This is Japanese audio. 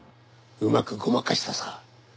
うまくごまかしたさ。